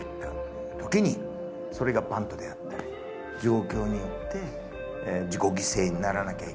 時にそれがバントであったり状況によって自己犠牲にならなきゃいけない。